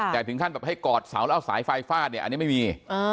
แต่ถึงขั้นแบบให้กอดเสาแล้วเอาสายไฟฟาดเนี่ยอันนี้ไม่มี